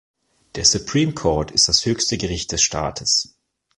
Der Supreme Court ist das höchste Gericht des Staates.